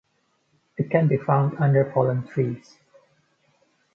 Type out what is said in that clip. It can be found under fallen trees.